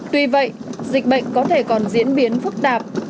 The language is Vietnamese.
tuy vậy dịch bệnh có thể còn diễn biến phức tạp